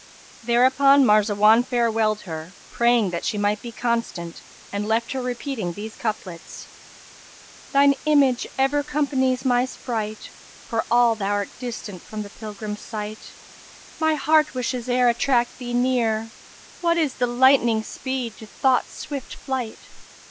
Thereupon Marzawan farewelled her, praying that she might be constant and left her repeating these couplets, "Thine image ever companies my sprite, * For all thou'rt distant from the pilgrim's sight: But my heart wishes e'er attract thee near: * What is the lightning's speed to Thought's swift flight?